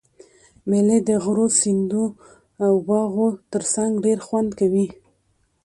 مېلې د غرو، سیندو او باغو ترڅنګ ډېر خوند کوي.